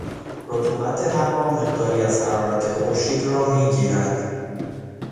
رطوبت هوا مقداری از حرارت خورشید را میگیرد.